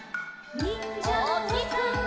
「にんじゃのおさんぽ」